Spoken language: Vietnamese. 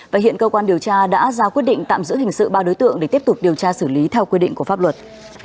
và hiện cơ quan điều tra đã ra quyết định tạm giữ hình sự ba đối tượng để tiếp tục điều tra xử lý theo quy định của pháp luật